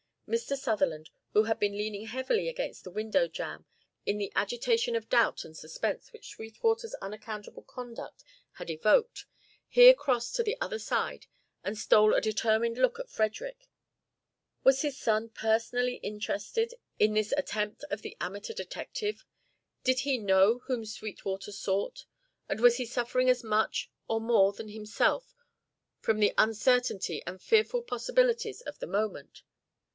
Mr. Sutherland, who had been leaning heavily against the window jamb in the agitation of doubt and suspense which Sweetwater's unaccountable conduct had evoked, here crossed to the other side and stole a determined look at Frederick. Was his son personally interested in this attempt of the amateur detective? Did he know whom Sweetwater sought, and was he suffering as much or more than himself from the uncertainty and fearful possibilities of the moment?